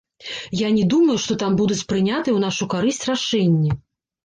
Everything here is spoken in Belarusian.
Я не думаю, што там будуць прынятыя ў нашу карысць рашэнні.